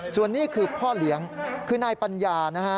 ส่วนนี้คือพ่อเลี้ยงคือนายปัญญานะฮะ